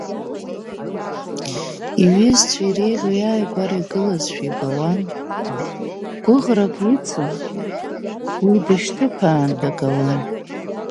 Иҩызцәа иреиӷьу иааигәа игылазшәа ибауан, гәыӷрак ицын, уи дышьҭыԥаан дагауан…